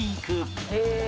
「へえ」